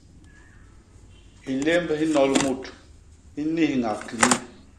Hilémb hi nnol mut, hi niñhak ki nye.